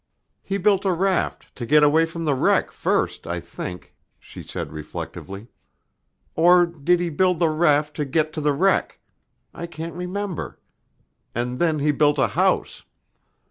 "He built a raft to get away from the wreck first, I think," she said reflectively. "Or did he build the raft to get to the wreck? I can't remember. And then he built a house.